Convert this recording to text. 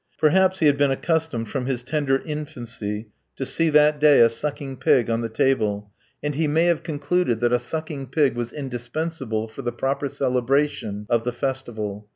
Perhaps he had been accustomed from his tender infancy to see that day a sucking pig on the table, and he may have concluded that a sucking pig was indispensable for the proper celebration of the festival.